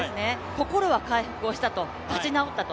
心は回復をしたと、立ち直ったと。